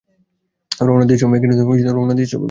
রওনা দিয়েছ, বেবি?